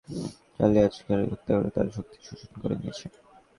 সম্ভবত লন্ডনে ডিভিয়েন্ট আক্রমণ চালিয়ে অ্যাজাককে হত্যা করে তার শক্তি শোষণ করে নিয়েছে।